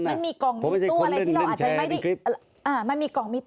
มันมีกล่องมีตู้อะไรที่เราไม่เห็น